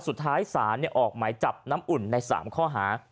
สุดท้ายสารเนี่ยออกไหมจับน้ำอุ่นในสามข้อหา